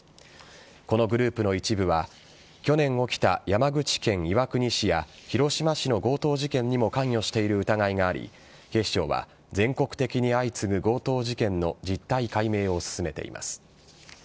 このグループの一部は去年起きた山口県岩国市や広島市の強盗事件にも関与している疑いがあり警視庁は全国的に相次ぐ強盗事件の実態解明を進めています。